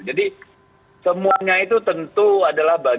jadi semuanya itu tentu ada perubahan